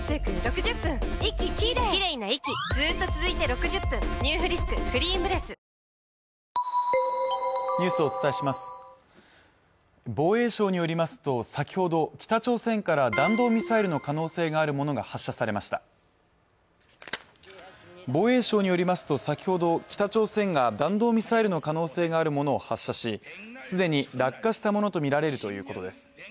モニタリングにニュースをお伝えします防衛省によりますと先ほど北朝鮮から弾道ミサイルの可能性があるものが発射されました防衛省によりますと先ほど北朝鮮が弾道ミサイルの可能性があるものを発射しすでに落下したものと見られるということです